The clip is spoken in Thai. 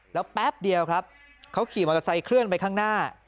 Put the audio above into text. แล้วแป๊บเดียวครับเขาขี่มอเตอร์ไซค์เคลื่อนไปข้างหน้า